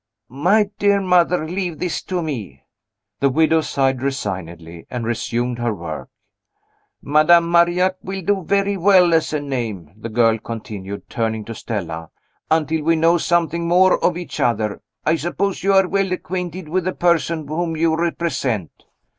"My dear mother, leave this to me." The widow sighed resignedly, and resumed her work. "Madame Marillac will do very well as a name," the girl continued, turning to Stella, "until we know something more of each other. I suppose you are well acquainted with the person whom you represent?"